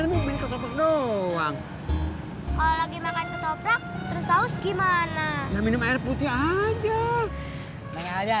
terus terus gimana minum air putih aja